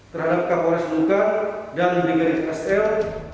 terhadap kapolres duka dan brigadir sl